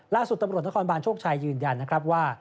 ล่าสุดตำรวจนครบานโชคชัยยืนยันนะครับว่า